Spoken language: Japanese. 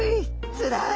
つらい！